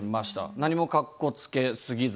何もかっこつけすぎず。